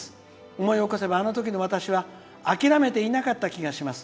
思い起こせばあのときの私は諦めていなかった気がします。